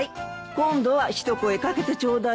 今度は一声掛けてちょうだいね。